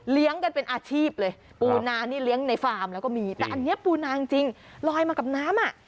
กันเป็นอาชีพเลยปูนานี่เลี้ยงในฟาร์มแล้วก็มีแต่อันนี้ปูนาจริงลอยมากับน้ำอ่ะ